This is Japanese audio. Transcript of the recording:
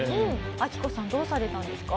アキコさんどうされたんですか？